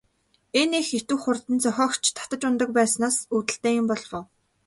Энэ их идэвх хурд нь зохиогч татаж унадаг байснаас үүдэлтэй юм болов уу?